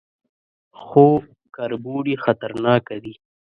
_خو کربوړي خطرناکه دي.